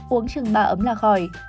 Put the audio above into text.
uống chừng ba ấm là khỏi